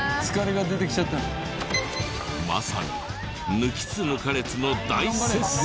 まさに抜きつ抜かれつの大接戦！